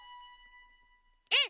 えっ！